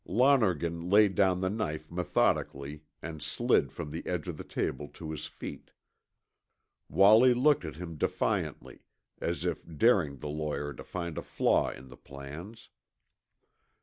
Lonergan laid down the knife methodically and slid from the edge of the table to his feet. Wallie looked at him defiantly, as if daring the lawyer to find a flaw in the plans.